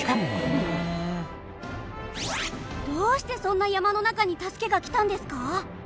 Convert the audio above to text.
どうしてそんな山の中に助けが来たんですか？